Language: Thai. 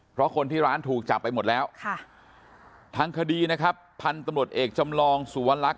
เพราะคนที่ร้านถูกจับไปหมดแล้วทางคดีนะครับพันธุ์ตำรวจเอกจำลองสุวรรค